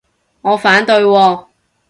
我反對喎